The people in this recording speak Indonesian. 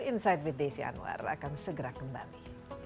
insight with desi anwar akan segera kembali